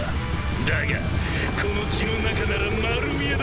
だがこの血の中なら丸見えだ。